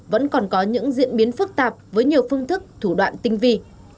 vẫn còn có những diễn biến phức tạp với nhiều phương thức thủ đoạn tinh vi